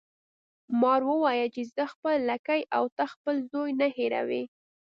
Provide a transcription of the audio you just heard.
مار وویل چې زه خپله لکۍ او ته خپل زوی نه هیروي.